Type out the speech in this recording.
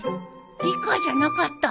理科じゃなかった？